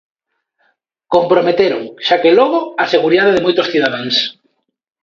Comprometeron, xa que logo, a seguridade de moitos cidadáns.